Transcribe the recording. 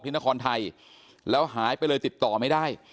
นครไทยแล้วหายไปเลยติดต่อไม่ได้